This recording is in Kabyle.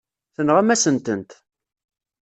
Tenɣam-asen-tent.